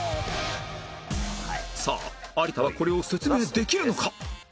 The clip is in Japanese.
さあ有田はこれを説明できるのか？